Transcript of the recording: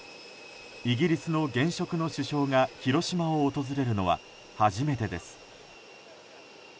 イギリスの現職の首相が広島を訪れるのは初めてです。